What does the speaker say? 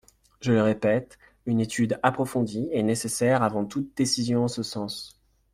Je le répète : une étude approfondie est nécessaire avant toute décision en ce sens.